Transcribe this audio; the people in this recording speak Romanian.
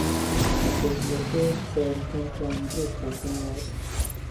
Acest lucru se întâmplă în grupuri, uneori.